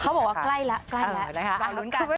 เขาบอกว่าใกล้แล้ว